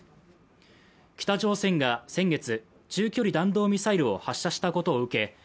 北朝鮮が先月、中距離弾道ミサイルを発射したことを受け